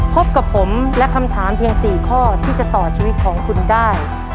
พบกับผมและคำถามเพียง๔ข้อที่จะต่อชีวิตของคุณได้